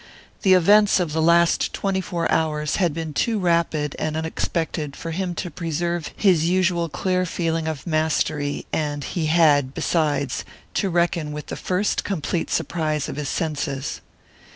The events of the last twenty four hours had been too rapid and unexpected for him to preserve his usual clear feeling of mastery; and he had, besides, to reckon with the first complete surprise of his senses.